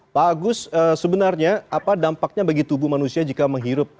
pak agus sebenarnya apa dampaknya bagi tubuh manusia jika menghirup